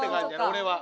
俺は。